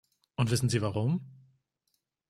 Und wissen Sie warum?